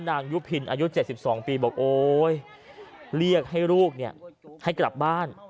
นางยุพินอายุเจ็บสิบสองปีบอกโอ้ยเรียกให้ลูกเนี่ยให้กลับบ้าน